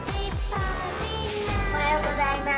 おはようございます。